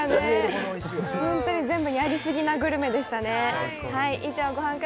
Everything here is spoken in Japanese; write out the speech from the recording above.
本当に全部、やりすぎなグルメでしたね。